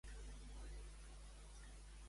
A colom vell, porgueres?